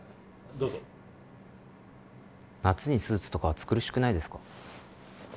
どうぞ夏にスーツとか暑苦しくないですか？